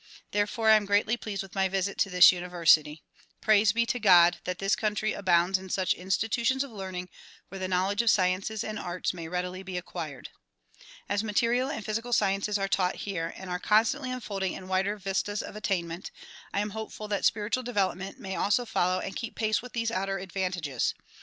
Therefore I am greatly pleased with my visit to this uni versity. Praise be to God! that this country abounds in such institutions of learning where the knowledge of sciences and arts may readily be acquired. As material and physical sciences are taught here and are constantly unfolding in wider vistas of attainment, I am hopeful that spiritual development may also follow and keep pace with these outer advantages.